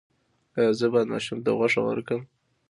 ایا زه باید ماشوم ته غوښه ورکړم؟